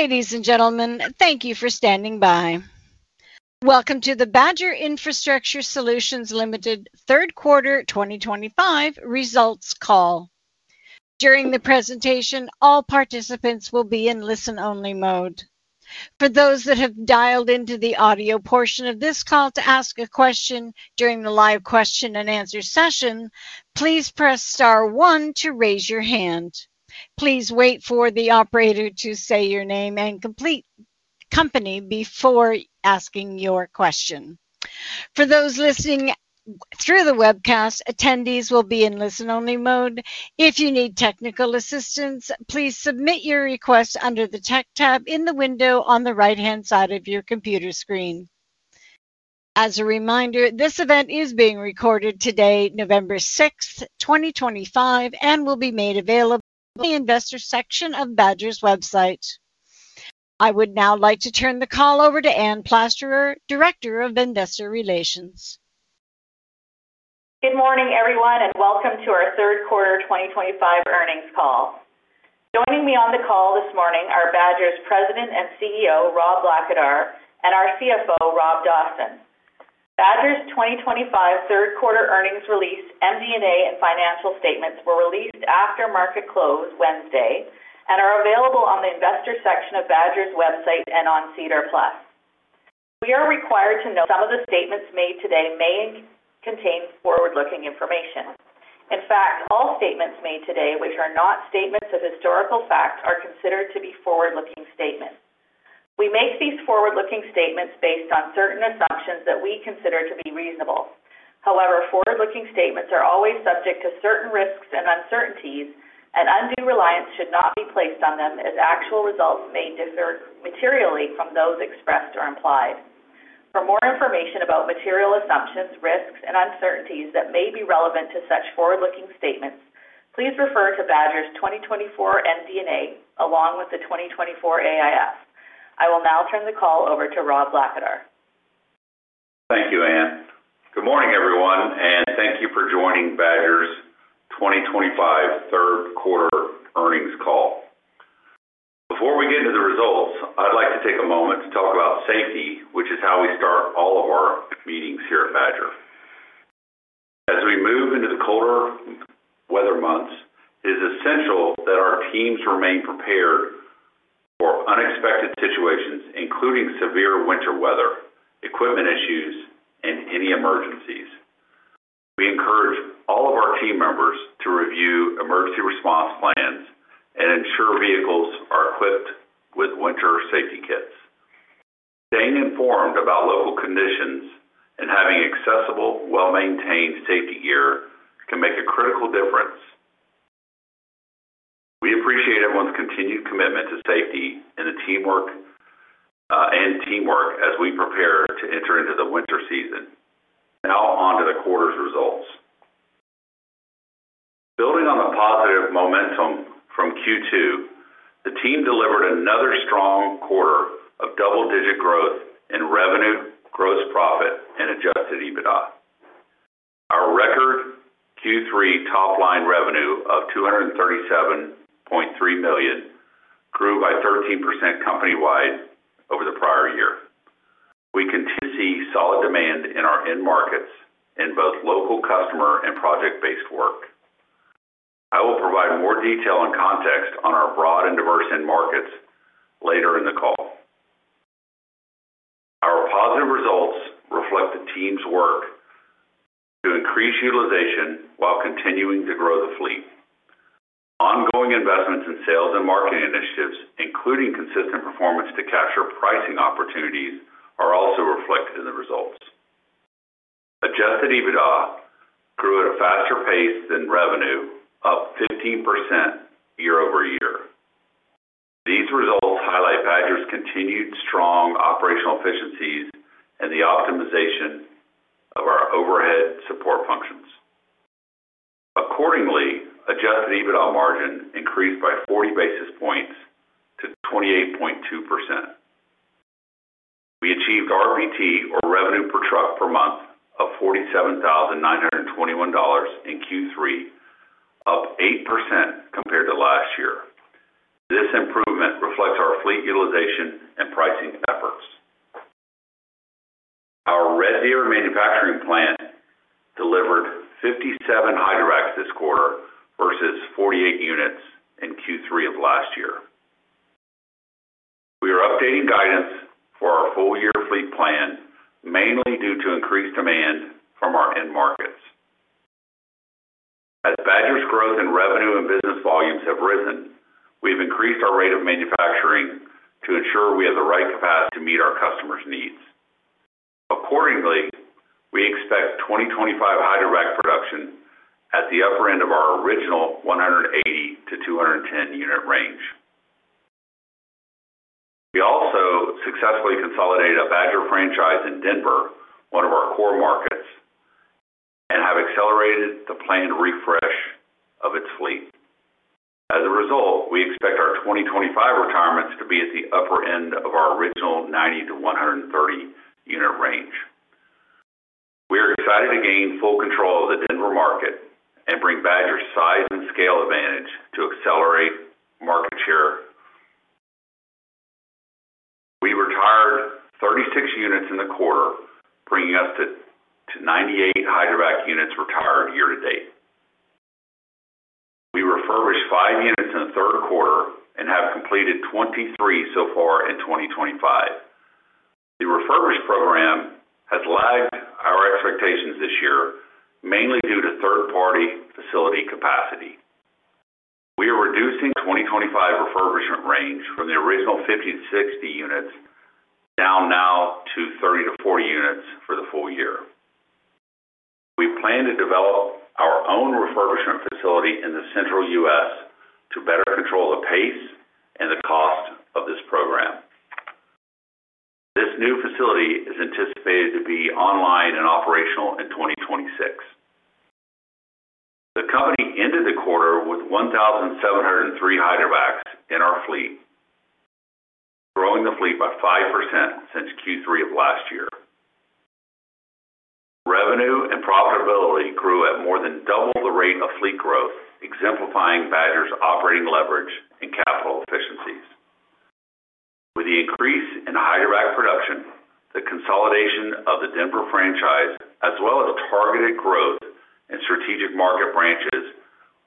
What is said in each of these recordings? Ladies and gentlemen, thank you for standing by. Welcome to the Badger Infrastructure Solutions Limited, Third Quarter 2025, Results Call. During the presentation, all participants will be in listen-only mode. For those that have dialed into the audio portion of this call to ask a question during the live question-and-answer session, please press star one to raise your hand. Please wait for the operator to say your name and company before asking your question. For those listening through the webcast, attendees will be in listen-only mode. If you need technical assistance, please submit your request under the Tech tab in the window on the right-hand side of your computer screen. As a reminder, this event is being recorded today, November 6th, 2025, and will be made available in the Investor section of Badger's website. I would now like to turn the call over to Anne Plasterer, Director of Investor Relations. Good morning, everyone, and welcome to our Third Quarter 2025 earnings call. Joining me on the call this morning are Badger's President and CEO, Rob Blackadar, and our CFO, Rob Dawson. Badger's 2025 Third Quarter earnings release, MD&A, and financial statements were released after market close Wednesday and are available on the Investor section of Badger's website and on SEDAR+. We are required to note some of the statements made today may contain forward-looking information. In fact, all statements made today, which are not statements of historical fact, are considered to be forward-looking statements. We make these forward-looking statements based on certain assumptions that we consider to be reasonable. However, forward-looking statements are always subject to certain risks and uncertainties, and undue reliance should not be placed on them as actual results may differ materially from those expressed or implied. For more information about material assumptions, risks, and uncertainties that may be relevant to such forward-looking statements, please refer to Badger's 2024 MD&A along with the 2024 AIF. I will now turn the call over to Rob Blackadar. Thank you, Anne. Good morning, everyone, and thank you for joining Badger's 2025 Third Quarter earnings call. Before we get into the results, I'd like to take a moment to talk about safety, which is how we start all of our meetings here at Badger. As we move into the colder weather months, it is essential that our teams remain prepared for unexpected situations, including severe winter weather, equipment issues, and any emergencies. We encourage all of our team members to review emergency response plans and ensure vehicles are equipped with winter safety kits. Staying informed about local conditions and having accessible, well-maintained safety gear can make a critical difference. We appreciate everyone's continued commitment to safety and teamwork as we prepare to enter into the winter season. Now on to the quarter's results. Building on the positive momentum from Q2, the team delivered another strong quarter of double-digit growth in revenue, gross profit, and adjusted EBITDA. Our record Q3 top-line revenue of $237.3 million grew by 13% company-wide over the prior year. We continue to see solid demand in our end markets in both local customer and project-based work. I will provide more detail and context on our broad and diverse end markets later in the call. Our positive results reflect the team's work to increase utilization while continuing to grow the fleet. Ongoing investments in sales and marketing initiatives, including consistent performance to capture pricing opportunities, are also reflected in the results. Adjusted EBITDA grew at a faster pace than revenue, up 15% year-over-year. These results highlight Badger's continued strong operational efficiencies and the optimization of our overhead support functions. Accordingly, adjusted EBITDA margin increased by 40 basis points to 28.2%. We achieved RPT, or revenue per truck per month, of $47,921 in Q3, up 8% compared to last year. This improvement reflects our fleet utilization and pricing efforts. Our Red Deer manufacturing plant delivered 57 Hydrovacs this quarter versus 48 units in Q3 of last year. We are updating guidance for our full-year fleet plan, mainly due to increased demand from our end markets. As Badger's growth in revenue and business volumes have risen, we have increased our rate of manufacturing to ensure we have the right capacity to meet our customers' needs. Accordingly, we expect 2025 Hydrovac production at the upper end of our original 180-210 unit range. We also successfully consolidated a Badger franchise in Denver, one of our core markets, and have accelerated the planned refresh of its fleet. As a result, we expect our 2025 retirements to be at the upper end of our original 90-130 unit range. We are excited to gain full control of the Denver market and bring Badger's size and scale advantage to accelerate market share. We retired 36 units in the quarter, bringing us to 98 Hydrovac units retired year to date. We refurbished five units in the third quarter and have completed 23 so far in 2025. The refurbish program has lagged our expectations this year, mainly due to third-party facility capacity. We are reducing the 2025 refurbishment range from the original 50-60 units down now to 30-40 units for the full year. We plan to develop our own refurbishment facility in the central U.S. to better control the pace and the cost of this program. This new facility is anticipated to be online and operational in 2026. The company ended the quarter with 1,703 Hydrovacs in our fleet. Growing the fleet by 5% since Q3 of last year. Revenue and profitability grew at more than double the rate of fleet growth, exemplifying Badger's operating leverage and capital efficiencies. With the increase in Hydrovac production, the consolidation of the Denver franchise, as well as targeted growth in strategic market branches,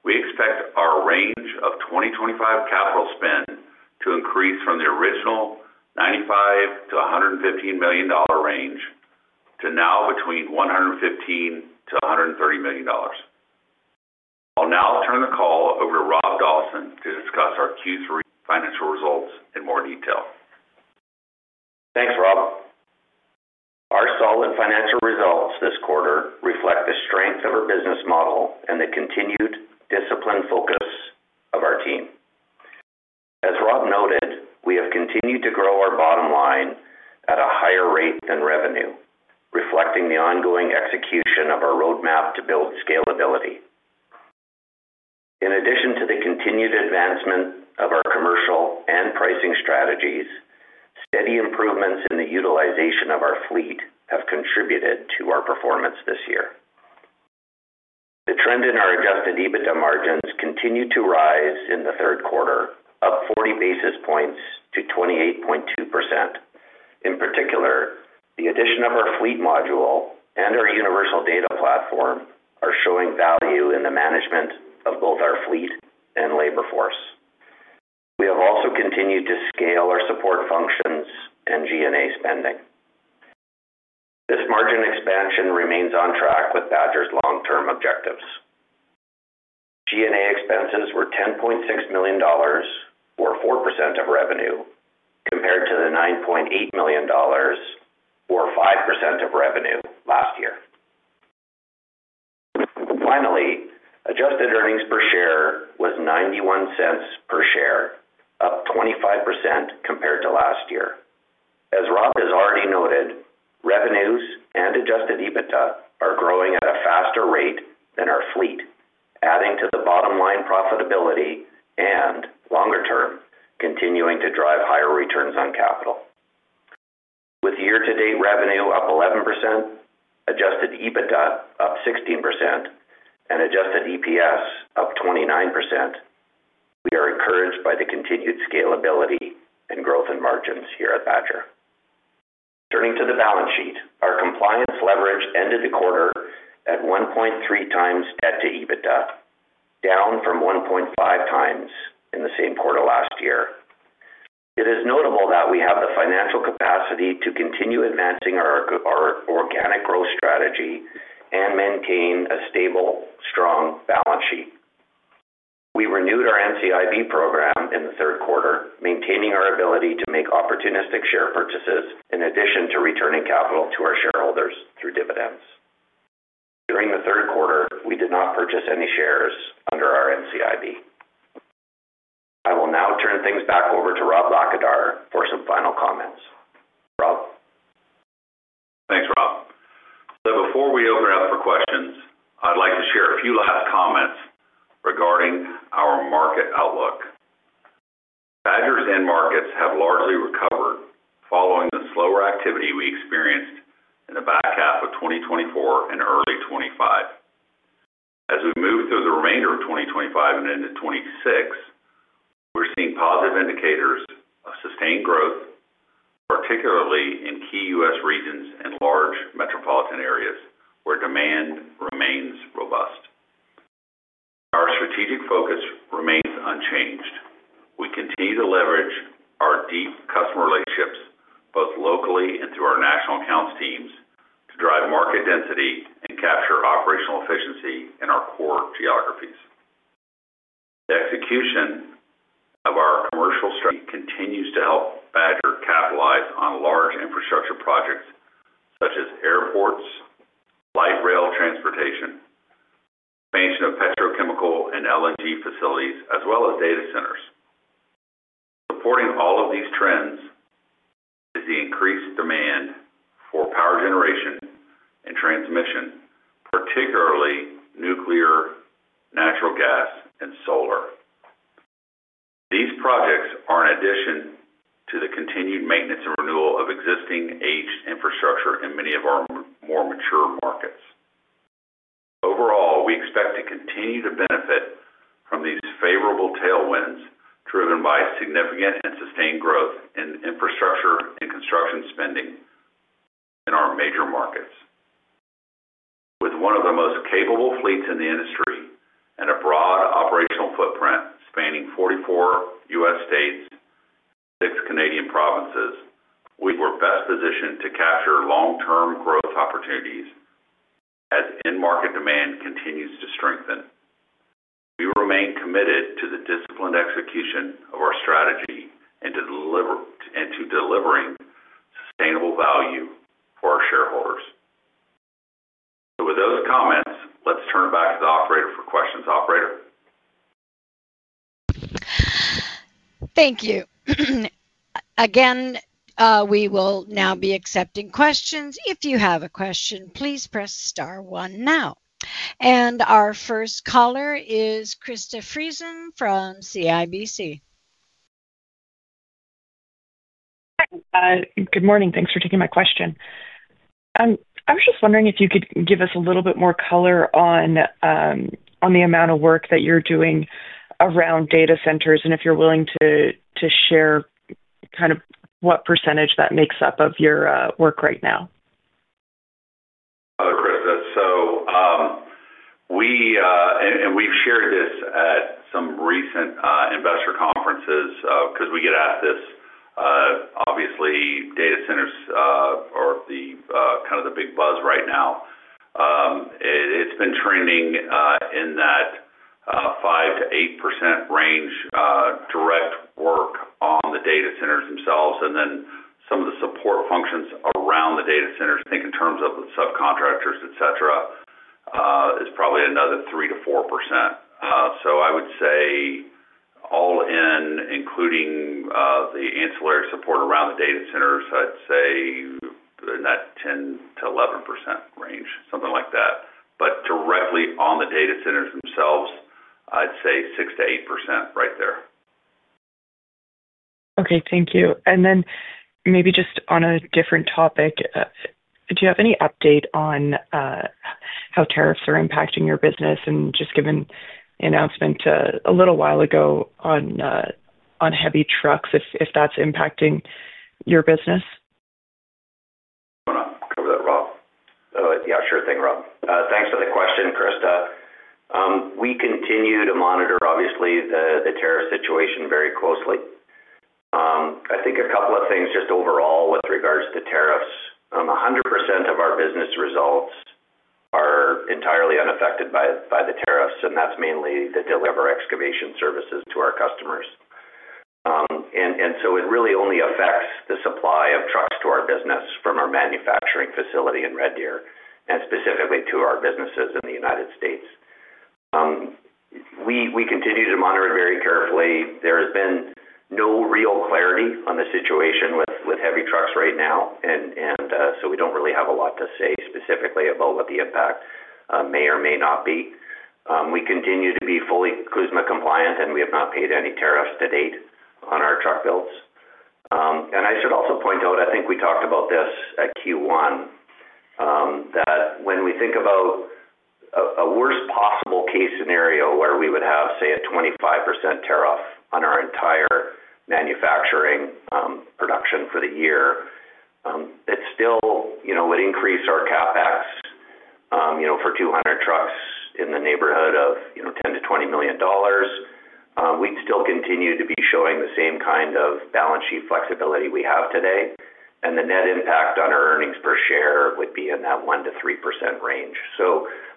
we expect our range of 2025 capital spend to increase from the original $95-$115 million range to now between $115-$130 million. I'll now turn the call over to Rob Dawson to discuss our Q3 financial results in more detail. Thanks, Rob. Our solid financial results this quarter reflect the strength of our business model and the continued disciplined focus of our team. As Rob noted, we have continued to grow our bottom line at a higher rate than revenue, reflecting the ongoing execution of our roadmap to build scalability. In addition to the continued advancement of our commercial and pricing strategies, steady improvements in the utilization of our fleet have contributed to our performance this year. The trend in our adjusted EBITDA margins continued to rise in the third quarter, up 40 basis points to 28.2%. In particular, the addition of our fleet module and our universal data platform are showing value in the management of both our fleet and labor force. We have also continued to scale our support functions and G&A spending. This margin expansion remains on track with Badger's long-term objectives. G&A expenses were $10.6 million. Or 4% of revenue, compared to the $9.8 million. Or 5% of revenue last year. Finally, adjusted earnings per share was $0.91 per share, up 25% compared to last year. As Rob has already noted, revenues and adjusted EBITDA are growing at a faster rate than our fleet, adding to the bottom line profitability and, longer term, continuing to drive higher returns on capital. With year-to-date revenue up 11%, adjusted EBITDA up 16%, and adjusted EPS up 29%. We are encouraged by the continued scalability and growth in margins here at Badger. Turning to the balance sheet, our compliance leverage ended the quarter at x 1.3 debt to EBITDA, down from x1.5 in the same quarter last year. It is notable that we have the financial capacity to continue advancing our organic growth strategy and maintain a stable, strong balance sheet. We renewed our NCIB program in the third quarter, maintaining our ability to make opportunistic share purchases in addition to returning capital to our shareholders through dividends. During the third quarter, we did not purchase any shares under our NCIB. I will now turn things back over to Rob Blackadar for some final comments. Rob? Thanks, Rob. Before we open up for questions, I'd like to share a few last comments regarding our market outlook. Badger's end markets have largely recovered following the slower activity we experienced in the back half of 2024 and early 2025. As we move through the remainder of 2025 and into 2026, we're seeing positive indicators of sustained growth, particularly in key US regions and large metropolitan areas where demand remains robust. Our strategic focus remains unchanged. We continue to leverage our deep customer relationships, both locally and through our national accounts teams, to drive market density and capture operational efficiency in our core geographies. The execution of our commercial strategy continues to help Badger capitalize on large infrastructure projects such as airports and light rail transportation, expansion of petrochemical and LNG facilities, as well as data centers, supporting all of these trends. Is the increased demand for power generation and transmission, particularly nuclear, natural gas, and solar. These projects are in addition to the continued maintenance and renewal of existing aged infrastructure in many of our more mature markets. Overall, we expect to continue to benefit from these favorable tailwinds driven by significant and sustained growth in infrastructure and construction spending in our major markets. With one of the most capable fleets in the industry and a broad operational footprint spanning 44 U.S. states and six Canadian provinces, we are best positioned to capture long-term growth opportunities as end market demand continues to strengthen. We remain committed to the disciplined execution of our strategy and to delivering sustainable value for our shareholders. With those comments, let's turn it back to the operator for questions, Operator. Thank you. Again, we will now be accepting questions. If you have a question, please press star one now. Our first caller is Krista Friesen from CIBC. Good morning. Thanks for taking my question. I was just wondering if you could give us a little bit more color on the amount of work that you're doing around data centers and if you're willing to share kind of what percentage that makes up of your work right now? Okay, Krista. So. We've shared this at some recent investor conferences because we get asked this. Obviously, data centers are kind of the big buzz right now. It's been trending in that 5%-8% range direct work on the data centers themselves and then some of the support functions around the data centers, I think in terms of the subcontractors, etc., is probably another 3%-4%. So I would say. All in, including the ancillary support around the data centers, I'd say in that 10%-11% range, something like that. But directly on the data centers themselves, I'd say 6%-8% right there. Okay, thank you. Maybe just on a different topic. Do you have any update on how tariffs are impacting your business, and just given the announcement a little while ago on heavy trucks, if that's impacting your business? I'll cover that, Rob. Yeah, sure thing, Rob. Thanks for the question, Krista. We continue to monitor, obviously, the tariff situation very closely. I think a couple of things just overall with regards to tariffs. 100% of our business results are entirely unaffected by the tariffs, and that's mainly the delivery of our excavation services to our customers. It really only affects the supply of trucks to our business from our manufacturing facility in Red Deer and specifically to our businesses in the U.S. We continue to monitor very carefully. There has been no real clarity on the situation with heavy trucks right now, and we do not really have a lot to say specifically about what the impact may or may not be. We continue to be fully CUSMA compliant, and we have not paid any tariffs to date on our truck builds. I should also point out, I think we talked about this at Q1. When we think about a worst possible case scenario where we would have, say, a 25% tariff on our entire manufacturing production for the year, it still would increase our CapEx for 200 trucks in the neighborhood of $10 million-$20 million. We'd still continue to be showing the same kind of balance sheet flexibility we have today, and the net impact on our earnings per share would be in that 1%-3% range.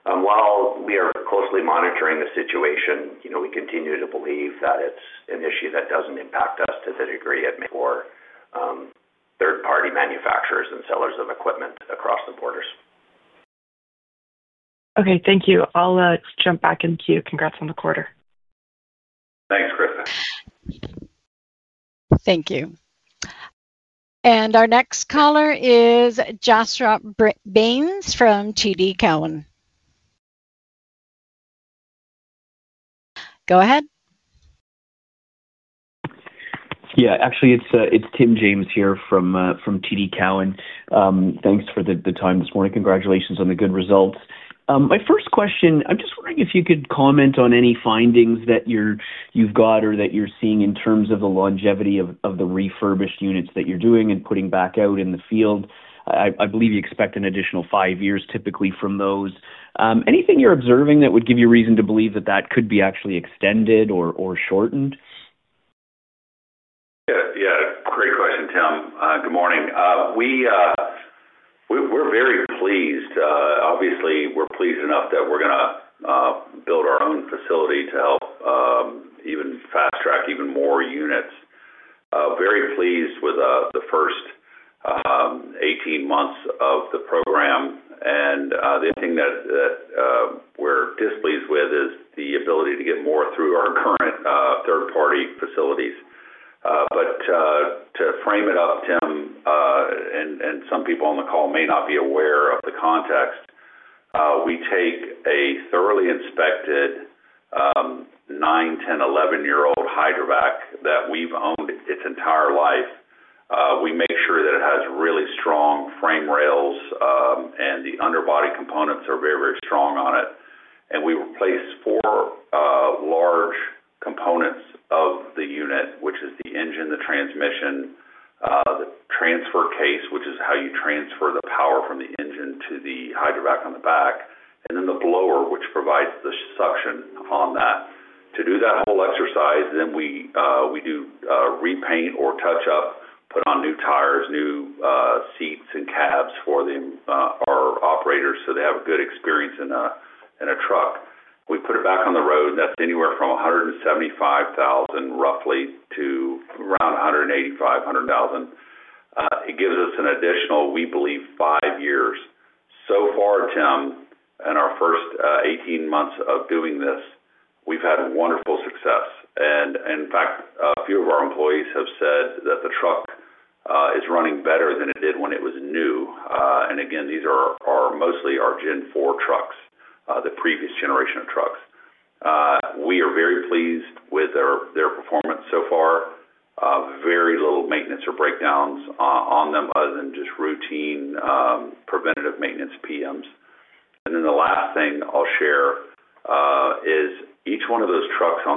While we are closely monitoring the situation, we continue to believe that it's an issue that doesn't impact us to the degree it may for third-party manufacturers and sellers of equipment across the borders. Okay, thank you. I'll jump back in to congrats on the quarter. Thanks, Krista. Thank you. Our next caller is Jasra Baines from TD Cowen. Go ahead. Yeah, actually, it's Tim James here from TD Cowen. Thanks for the time this morning. Congratulations on the good results. My first question, I'm just wondering if you could comment on any findings that you've got or that you're seeing in terms of the longevity of the refurbished units that you're doing and putting back out in the field. I believe you expect an additional five years typically from those. Anything you're observing that would give you reason to believe that that could be actually extended or shortened? Yeah, great question, Tim. Good morning. We're very pleased. Obviously, we're pleased enough that we're going to build our own facility to help even fast-track even more units. Very pleased with the first 18 months of the program. The thing that we're displeased with is the ability to get more through our current third-party facilities. To frame it up, Tim, and some people on the call may not be aware of the context, we take a thoroughly inspected 9, 10, 11-year-old Hydrovac that we've owned its entire life. We make sure that it has really strong frame rails, and the underbody components are very, very strong on it. We replace four large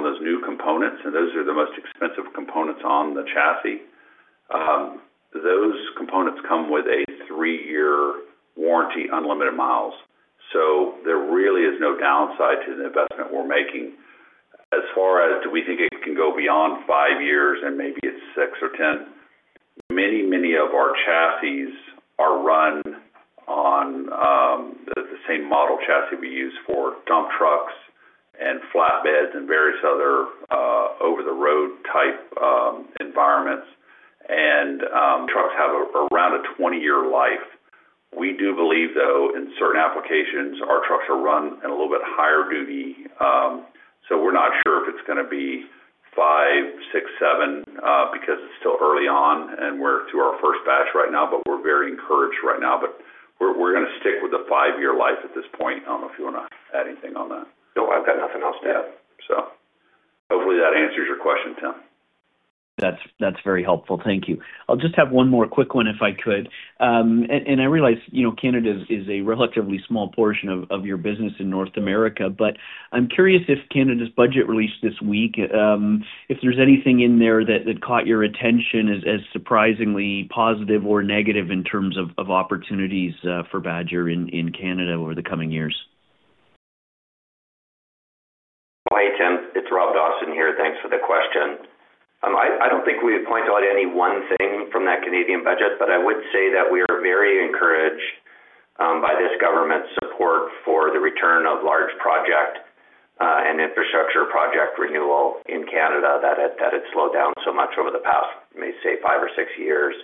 with their performance so far. Very little maintenance or breakdowns on them other than just routine preventative maintenance PMs. The last thing I'll share is each one of those trucks on those new components, and those are the most expensive components on the chassis. Those components come with a three-year warranty, unlimited miles. There really is no downside to the investment we're making. As far as do we think it can go beyond five years and maybe it's six or ten? Many, many of our chassis are run on the same model chassis we use for dump trucks and flatbeds and various other over-the-road type environments. Trucks have around a 20-year life. We do believe, though, in certain applications, our trucks are run in a little bit higher duty. We're not sure if it's going to be. Five, six, seven, because it's still early on, and we're through our first batch right now, but we're very encouraged right now. We're going to stick with the five-year life at this point. I don't know if you want to add anything on that. No, I've got nothing else to add. Hopefully that answers your question, Tim. That's very helpful. Thank you. I'll just have one more quick one if I could. I realize Canada is a relatively small portion of your business in North America, but I'm curious if Canada's budget released this week, if there's anything in there that caught your attention as surprisingly positive or negative in terms of opportunities for Badger in Canada over the coming years. Hey, Tim. It's Rob Dawson here. Thanks for the question. I don't think we point out any one thing from that Canadian budget, but I would say that we are very encouraged by this government's support for the return of large project and infrastructure project renewal in Canada that had slowed down so much over the past, let me say, five or six years.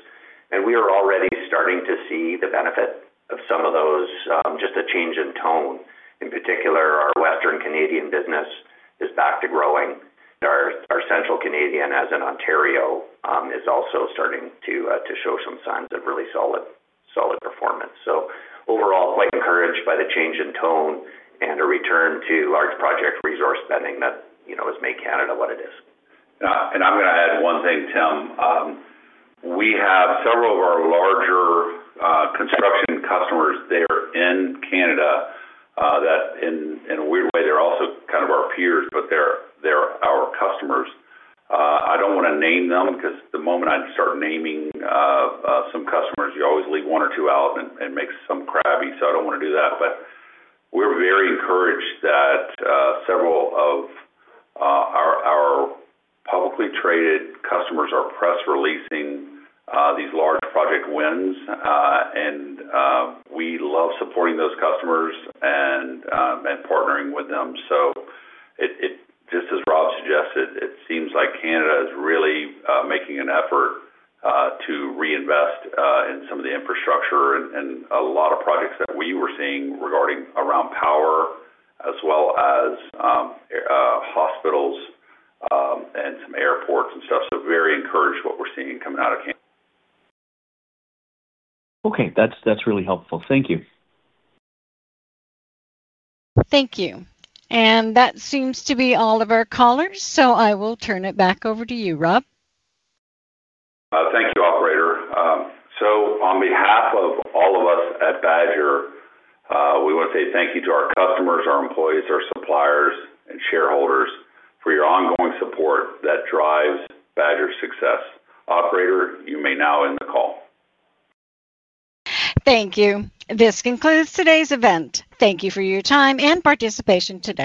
We are already starting to see the benefit of some of those, just a change in tone. In particular, our Western Canadian business is back to growing. Our Central Canadian, as in Ontario, is also starting to show some signs of really solid performance. Overall, quite encouraged by the change in tone and a return to large project resource spending that has made Canada what it is. Yeah. I'm going to add one thing, Tim. We have several of our larger. Construction customers there in Canada that, in a weird way, they're also kind of our peers, but they're our customers. I don't want to name them because the moment I start naming some customers, you always leave one or two out and make some crappy, so I don't want to do that. We're very encouraged that several of our publicly traded customers are press releasing these large project wins. We love supporting those customers and partnering with them. Just as Rob suggested, it seems like Canada is really making an effort to reinvest in some of the infrastructure and a lot of projects that we were seeing regarding around power as well as hospitals and some airports and stuff. Very encouraged what we're seeing coming out of Canada. Okay. That's really helpful. Thank you. Thank you. That seems to be all of our callers, so I will turn it back over to you, Rob. Thank you, Operator. On behalf of all of us at Badger, we want to say thank you to our customers, our employees, our suppliers, and shareholders for your ongoing support that drives Badger's success. Operator, you may now end the call. Thank you. This concludes today's event. Thank you for your time and participation today.